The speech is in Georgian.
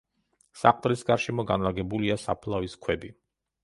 საყდრის გარშემო განლაგებულია საფლავის ქვები.